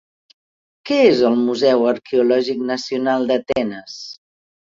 Què és el Museu Arqueològic Nacional d'Atenes?